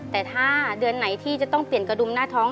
แต่ถ้าเดือนไหนที่จะต้องเปลี่ยนกระดุมหน้าท้อง